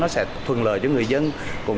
sẽ thuận lợi cho người dân